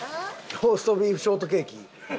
ローストビーフショートケーキ。